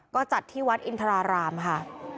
ก็จัดที่วัดอินทรารามค่ะ